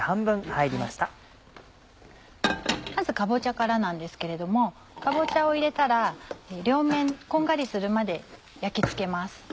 まずかぼちゃからなんですけれどもかぼちゃを入れたら両面こんがりするまで焼き付けます。